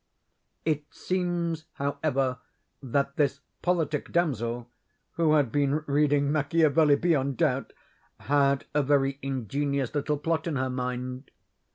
It seems, however, that this politic damsel (who had been reading Machiavelli, beyond doubt), had a very ingenious little plot in her mind.